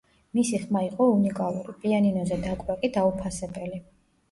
მისი ხმა იყო უნიკალური, პიანინოზე დაკვრა კი დაუფასებელი.